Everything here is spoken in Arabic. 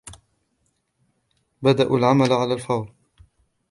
بدأوا العمل على الفور.